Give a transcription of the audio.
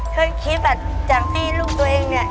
เคยคิดอ่ะจากที่ลูกตัวเองเนี่ย